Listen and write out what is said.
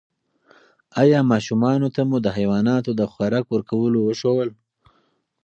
ایا ماشومانو ته مو د حیواناتو د خوراک ورکولو وښودل؟